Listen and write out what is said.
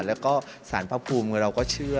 แล้วก็สารพระภูมิเราก็เชื่อ